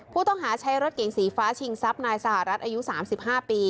ผู้ต้องหาใช้รถเก๋งสีฟ้าชิงทรัพย์นายสหรัฐอายุ๓๕ปี